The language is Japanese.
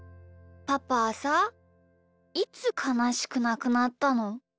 パパはさいつかなしくなくなったの？